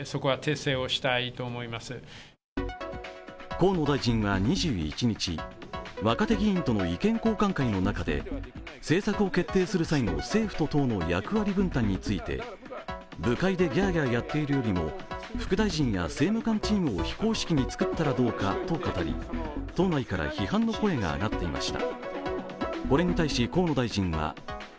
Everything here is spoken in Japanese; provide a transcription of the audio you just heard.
河野大臣は２１日、若手議員との意見交換会の中で政策を決定する際の政府と党の役割分担について部会でギャーギャーやっているよりも副大臣や政務官チームを非公式に作ったらどうかと語り党内から批判の声が上がっていました。